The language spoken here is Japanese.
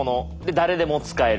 誰でも使える。